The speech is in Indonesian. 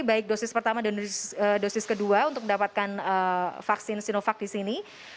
baik dosis pertama dan dosis kedua untuk mendapatkan vaksin sinovac di sini